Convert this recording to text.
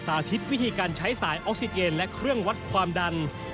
สาธิตวิธีการใช้สายออกซิเจนและเครื่องวัดความดัน